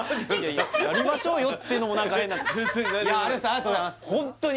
やりましょうよっていうのも何か変な有吉さんありがとうございますホンットに！